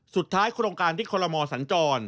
สุดท้ายโครงการที่คลมสัญจร